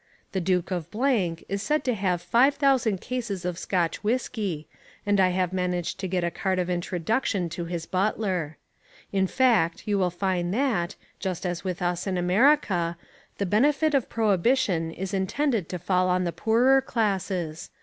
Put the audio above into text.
The Duke of Blank is said to have 5,000 cases of Scotch whiskey, and I have managed to get a card of introduction to his butler. In fact you will find that, just as with us in America, the benefit of prohibition is intended to fall on the poorer classes.